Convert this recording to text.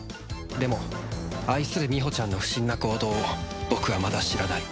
でも愛するみほちゃんの不審な行動を僕はまだ知らない